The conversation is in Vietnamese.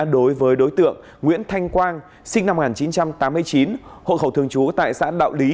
đối với đối tượng nguyễn thanh quang sinh năm một nghìn chín trăm tám mươi chín hộ khẩu thường trú tại xã đạo lý